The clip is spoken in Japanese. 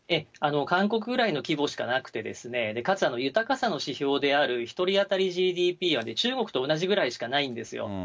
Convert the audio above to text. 韓国ぐらいの規模しかなくて、かつ豊かさの指標である１人当たりＧＤＰは、中国と同じぐらいしかないんですよ。